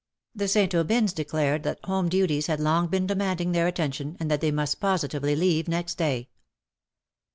The St. Aubyns declared that home duties had long been demanding their attention^ and that they must positively leave next day.